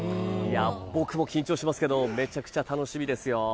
僕も緊張していますけれどめちゃくちゃ楽しみです。